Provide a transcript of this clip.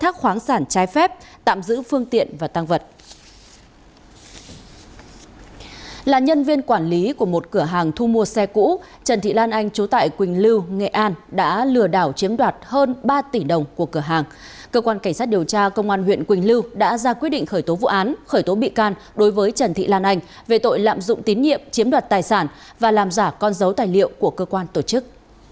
cơ quan cảnh sát điều tra công an huyện quỳnh lưu đã ra quyết định khởi tố vụ án khởi tố bị can đối với trần thị lan anh về tội lạm dụng tín nhiệm chiếm đoạt tài sản và làm giả con dấu tài liệu của cơ quan tổ chức